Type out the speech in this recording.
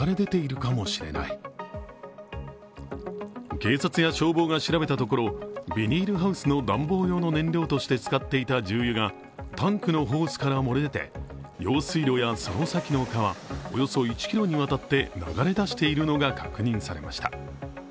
警察や消防が調べたところビニールハウスの暖房用の燃料として使っていた重油がタンクのホースから漏れ出て用水路や、その先の川、およそ１ｋｍにわたって流れ出しているのが確認されました。